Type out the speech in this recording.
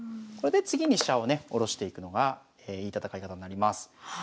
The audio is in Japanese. これで次に飛車をねおろしていくのがいい戦い方になります。